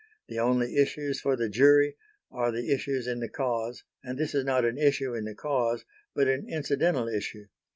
the only issues for the jury are the issues in the cause and this is not an issue in the cause, but an incidental issue....